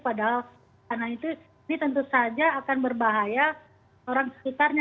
padahal karena itu ini tentu saja akan berbahaya orang sekitarnya